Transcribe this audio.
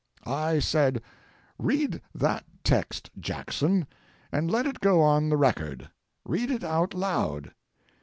I said, "Read that text, Jackson, and let it go on the record; read it out loud."